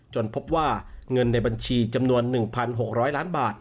พบว่าเงินในบัญชีจำนวน๑๖๐๐ล้านบาท